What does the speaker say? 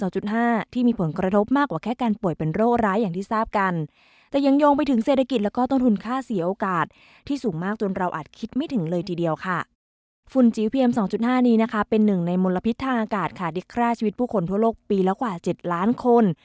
ในมลพิษทางอากาศค่ะที่แคร่ชีวิตผู้คนทั่วโลกปีแล้วกว่า๗ล้านคน